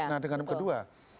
nah dengan yang kedua